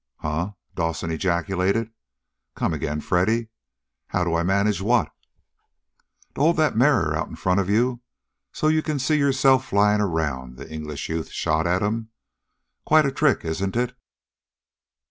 "Huh?" Dawson ejaculated. "Come again, Freddy? How do I manage what?" "To hold a mirror out in front of you, so you can see yourself flying around!" the English youth shot at him. "Quite a trick, isn't it?"